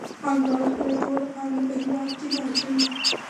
پانګوال خپله ټوله پانګه په هېواد کې نه اچوي